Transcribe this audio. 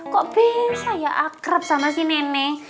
kok bisa ya akrab sama si nenek